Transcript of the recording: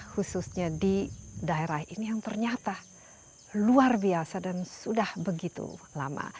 khususnya di daerah ini yang ternyata luar biasa dan sudah begitu lama